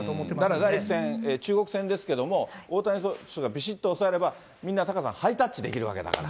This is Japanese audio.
だから第１戦、中国戦ですけれども、大谷投手がびしっと抑えれば、みんな、タカさん、ハイタッチできるわけだから。